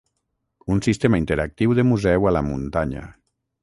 Un sistema interactiu de museu a la muntanya.